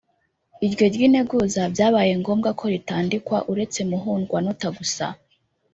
iryo ry’integuza byabaye ngombwa ko ritandikwa uretse muhundwanota gusa.